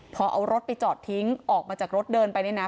พอเอารถไปจอดทิ้งออกมาจากรถเดินไปเนี่ยนะ